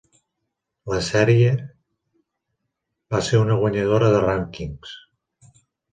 La serie va ser una guanyadora de rànquings.